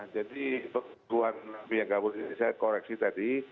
jadi perburuan napi yang kabur ini saya koreksi tadi